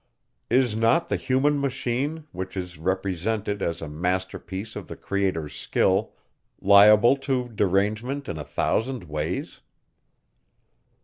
Is not the human machine, which is represented as a master piece of the Creator's skill, liable to derangement in a thousand ways?